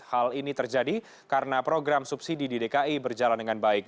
hal ini terjadi karena program subsidi di dki berjalan dengan baik